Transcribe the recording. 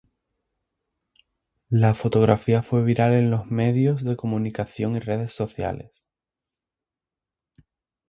La fotografía fue viral en los medios de comunicación y redes sociales.